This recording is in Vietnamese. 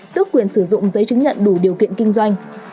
tước quyền sử dụng giấy chứng nhận đủ điều kiện kinh doanh